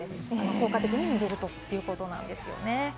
効果的にぬれるということなんですよね。